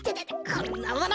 こんなもの！